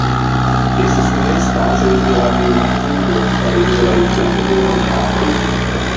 Estas restaĵoj de la Neolitiko kaj de la epoko de romianoj.